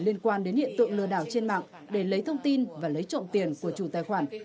liên quan đến hiện tượng lừa đảo trên mạng để lấy thông tin và lấy trộm tiền của chủ tài khoản